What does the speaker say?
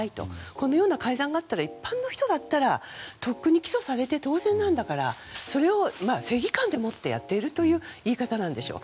このような改ざんがあったら一般の人だったらとっくに起訴されて当然だから正義感でもってやっているという言い方なんでしょう。